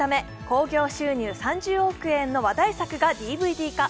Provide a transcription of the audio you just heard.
興行収入３０億円の話題作がＤＶＤ化。